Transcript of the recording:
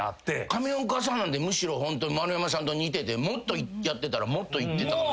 上岡さんなんてむしろホント丸山さんと似ててもっとやってたらもっといってたかも。